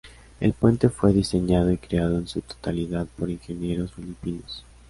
El puente fue diseñado y creado en su totalidad por ingenieros filipinos.